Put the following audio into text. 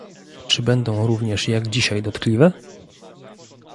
"Czy będą również jak dzisiaj dotkliwe?"